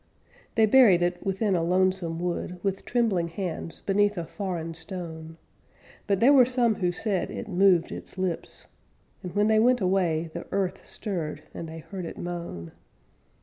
They buried it within a lonesome wood, With trembling hands, beneath a foreign stone. But there were some who said It moved its lips; And when they went away, the earth stirred And they heard it moan.